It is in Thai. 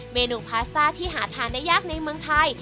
เมนูพาสต้าที่หาทานได้ยากในเมืองไทย